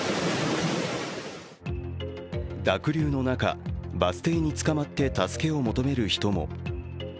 濁流の中、バス停につかまって助けを求める人も。